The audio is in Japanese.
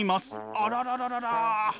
あららららら。